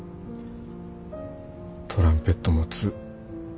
トランペットを持つ。